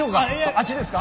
あっちですか？